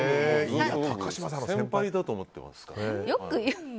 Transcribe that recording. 先輩だと思ってますから。